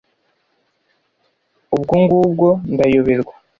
Ubwo ngubwo ndayoberwa